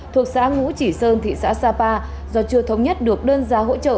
thuộc xã ngũ chỉ sơn thị xã sapa do chưa thống nhất được đơn giá hỗ trợ